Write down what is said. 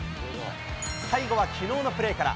最後はきのうのプレーから。